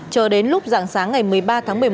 chờ đến lúc dạng sáng ngày một mươi ba tháng một mươi một